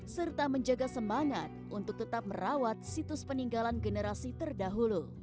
serta menjaga semangat untuk tetap merawat situs peninggalan generasi terdahulu